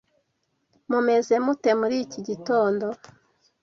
Mumeze mute muri iki gitondo?